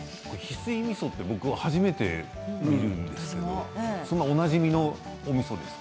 翡翠みそって僕は初めて見るんですけどそんなおなじみのおみそですか？